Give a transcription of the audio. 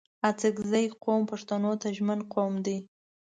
اڅګزي قوم پښتو ته ژمن قوم دی